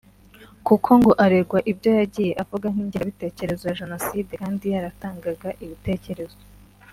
kuko ngo aregwa ibyo yagiye avuga nk’ingengabitekerezo ya Jenoside kandi yaratanganga ibitekerezo